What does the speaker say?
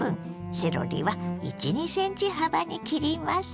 セロリは１２ｃｍ幅に切ります。